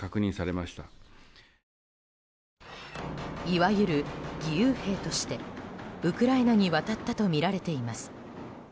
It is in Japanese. いわゆる義勇兵としてウクライナに渡ったとみられています。